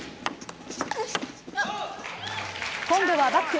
今度はバック。